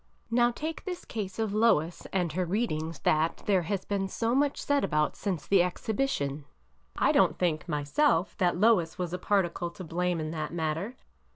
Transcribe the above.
Now take this case of Lois and her readings, that there has been so much said about since the exhibition, I don't think, myself, that Lois was a particle to blame in that matter.